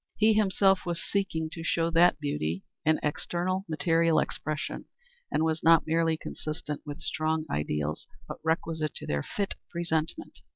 He himself was seeking to show that beauty, in external material expression, was not merely consistent with strong ideals but requisite to their fit presentment.